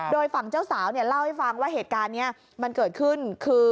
โดยฝั่งเจ้าสาวเล่าให้ฟังว่าเหตุการณ์นี้มันเกิดขึ้นคือ